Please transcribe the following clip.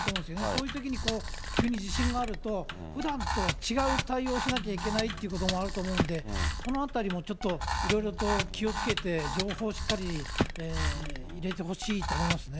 そういうときに急に地震があると、ふだんとは違う対応しなきゃいけないっていうこともあると思うんで、このあたりもちょっと、いろいろと気をつけて情報をしっかり入れてほしいと思いますね。